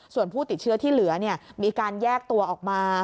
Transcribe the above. ส่วนผู้ติดเชื้อที่เหลือมีการแยกตัวออกมา